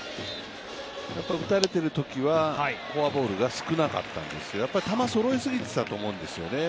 打たれているときはフォアボールが少なかったんですけど、球、そろいすぎていたと思うんですよね。